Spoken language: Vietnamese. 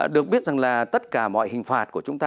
được biết rằng là tất cả mọi hình phạt của chúng ta